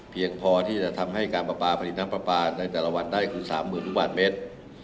พอที่จะทำให้การประปาผลิตน้ำปลาปลาในแต่ละวันได้คือ๓๐๐๐ลูกบาทเมตร